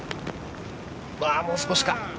もう少しか？